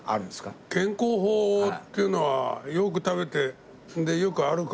健康法っていうのはよく食べてよく歩く。